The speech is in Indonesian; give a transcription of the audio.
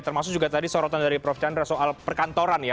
termasuk juga tadi sorotan dari prof chandra soal perkantoran ya